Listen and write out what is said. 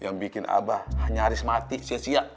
yang bikin abah nyaris mati sia sia